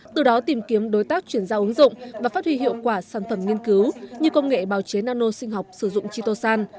từ đó tìm kiếm đối tác chuyển giao ứng dụng và phát huy hiệu quả sản phẩm nghiên cứu như công nghệ bào chế nano sinh học sử dụng chitosan